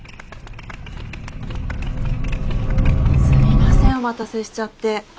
すみませんお待たせしちゃって。